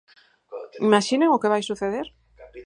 Imaxinen o que vai suceder?